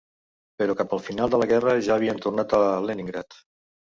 Però cap al final de la guerra ja havien tornat a Leningrad.